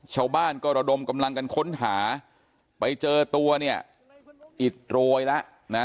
ชาวบ้านก็ระดมกำลังกันค้นหาไปเจอตัวเนี่ยอิดโรยแล้วนะ